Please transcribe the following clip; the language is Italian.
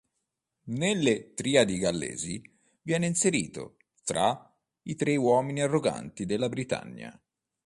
Nelle "Triadi gallesi" viene inserito tra i "tre uomini arroganti della Britannia".